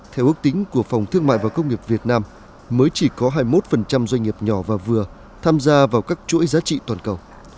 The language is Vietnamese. theo ước tính của phòng thương mại và công nghiệp việt nam mới chỉ có hai mươi một doanh nghiệp nhỏ và vừa tham gia vào các chuỗi giá trị toàn cầu